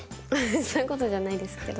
そういう事じゃないですけど。